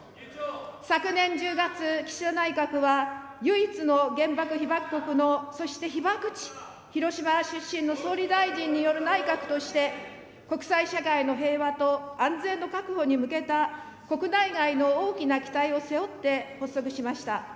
昨年１０月、岸田内閣は唯一の原爆被爆国の、そして被爆地広島出身の総理大臣による内閣として、国際社会の平和と安全の確保に向けた国内外の大きな期待を背負って発足しました。